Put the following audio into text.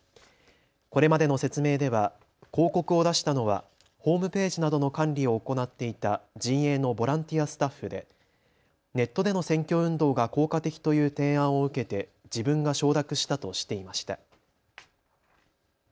これまでの説明では広告を出したのはホームページなどの管理を行っていた陣営のボランティアスタッフでネットでの選挙運動が効果的という提案を受けて自分が承諾したとしていました。